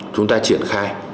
chúng ta triển khai